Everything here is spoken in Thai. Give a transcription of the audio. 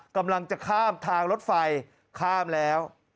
กำลังจะข้ามทางรถไฟข้ามแล้ว